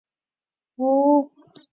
那珂是大日本帝国海军的轻巡洋舰。